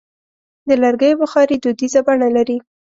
د لرګیو بخاري دودیزه بڼه لري.